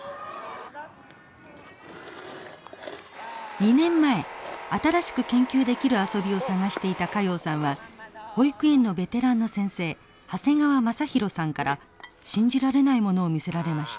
２年前新しく研究できる遊びを探していた加用さんは保育園のベテランの先生長谷川雅博さんから信じられない物を見せられました。